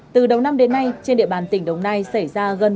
từ đầu năm đến nay trên địa bàn tỉnh đồng nai xảy ra gây dối trật tự công cộng